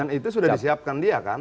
dan itu sudah disiapkan dia kan